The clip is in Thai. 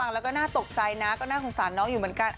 แล้วก็น่าตกใจนะก็น่าสงสารน้องอยู่เหมือนกัน